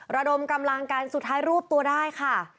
ระดมกำลังกันสุดท้ายรวบตัวได้ค่ะ